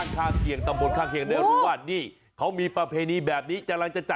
ต้องสงสัยเออเออเนอะ